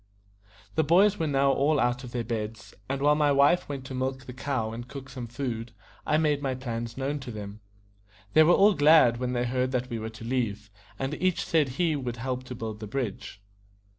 The boys were now all out of their beds; and while my wife went to milk the cow and cook some food, I made my plans known to them. They were all glad when they heard that we were to leave, and each said he, would help to build the bridge.